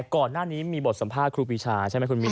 ก่อนหน้านี้มีบทสัมภาษณ์ครูปีชาใช่ไหมคุณมิ้น